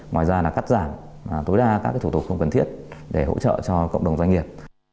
ngoài ra là cắt giảm tối đa các thủ tục không cần thiết để hỗ trợ cho cộng đồng doanh nghiệp